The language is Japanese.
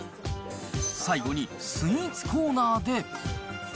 最後にスイーツコーナーで。